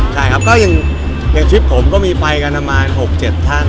ใช่ครับก็อย่างทริปผมก็มีไปกันประมาณ๖๗ท่าน